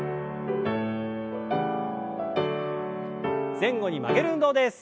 前後に曲げる運動です。